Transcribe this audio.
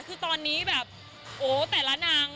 คือตอนนี้แบบโอ้แต่ละนาง